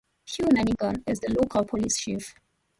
Hugh Lanigan is the local police chief.